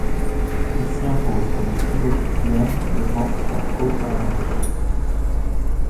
Il s'y impose comme le pivot titulaire devant Slavko Vraneš.